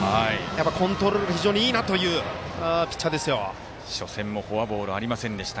コントロール非常にいいなという初戦もフォアボールありませんでした。